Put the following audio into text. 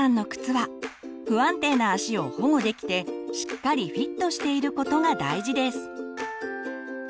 は不安定な足を保護できてしっかりフィットしていることが大事です。